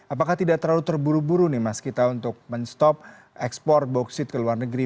apakah tidak terlalu terburu buru nih mas kita untuk men stop ekspor bauksit ke luar negeri